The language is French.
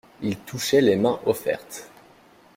Il touchait les mains offertes.